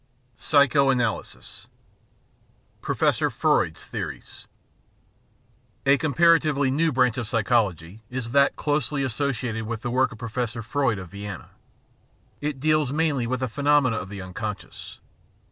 PSYCHO ANALYSIS Professor Freud's Theories A comparatively new branch of psychology is that closely associated with the work of Professor Freud of Vienna. It deals mainly with the phenomena of the unconscious.